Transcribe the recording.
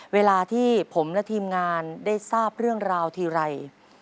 เวลาที่ผมและทีมงานได้ทราบเรื่องราวทีไร